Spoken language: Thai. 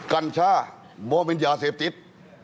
กัญชามองเป็นยาเสพติด